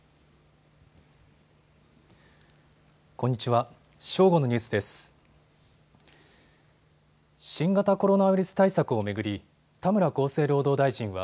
こんにちは。